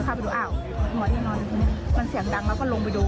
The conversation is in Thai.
เข้าไปดูอ้าวหมอนี่นอนทีนี้มันเสียงดังแล้วก็ลงไปดู